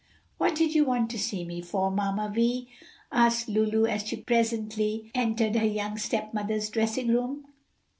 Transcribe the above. "What did you want to see me for, Mamma Vi?" asked Lulu, as she presently entered her young stepmother's dressing room.